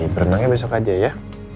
berenangnya besok aja ya